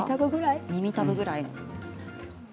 耳たぶくらい。